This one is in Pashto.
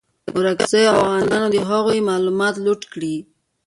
ورکزیو اوغانانو د هغوی مالونه لوټ کړي.